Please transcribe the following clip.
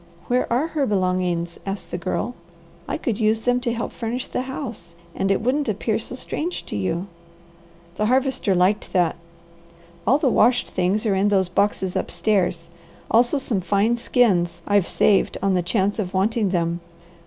"Where are her belongings?" asked the Girl. "I could use them to help furnish the house, and it wouldn't appear so strange to you." The Harvester liked that. "All the washed things are in those boxes upstairs; also some fine skins I've saved on the chance of wanting them.